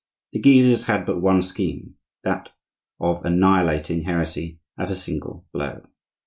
The Guises had but one scheme,—that of annihilating heresy at a single blow.